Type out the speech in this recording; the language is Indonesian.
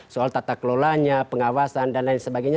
soal tata kelolanya pengawasan dan lain sebagainya